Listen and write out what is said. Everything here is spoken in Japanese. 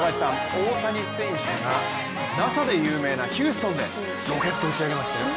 大谷選手がＮＡＳＡで有名なヒューストンでロケットを打ち上げましたよ。